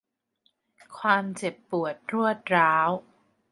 ความเจ็บปวดรวดร้าว